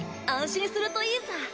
安心するといいさ。